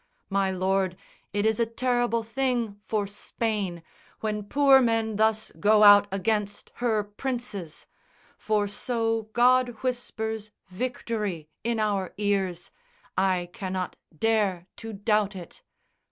My lord, it is a terrible thing for Spain When poor men thus go out against her princes; For so God whispers 'Victory' in our ears, I cannot dare to doubt it."